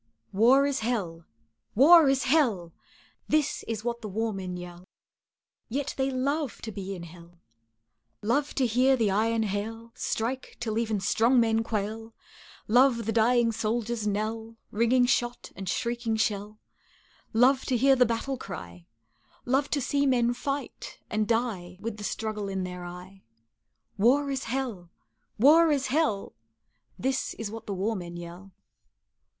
War is hell! war is hell! This is what the war men yell Yet they love to be in hell, Love to hear the iron hail Strike, till even strong men quail; Love the dying soldier's knell, Ringing shot and shrieking shell, Love to hear the battle cry, Love to see men fight and die With the struggle in their eye War is hell war is hell, This is what the war men yell.